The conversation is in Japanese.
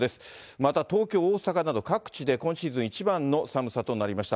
また、東京、大阪など、各地で今シーズン一番の寒さとなりました。